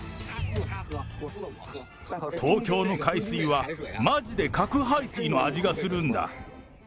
東京の海水は、まじで核排水の味がするんだ。